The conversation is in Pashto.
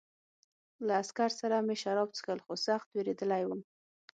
له عسکر سره مې شراب څښل خو سخت وېرېدلی وم